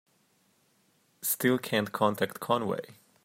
Still can't contact Conway.